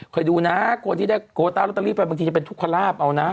ไปดูนะคนที่ได้โคต้าลอตเตอรี่ไปบางทีจะเป็นทุกขลาบเอานะ